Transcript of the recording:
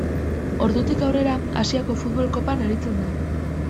Ordutik aurrera Asiako Futbol Kopan aritzen da.